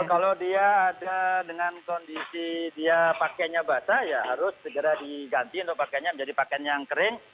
kalau dia ada dengan kondisi dia pakainya basah ya harus segera diganti untuk pakainya menjadi pakaian yang kering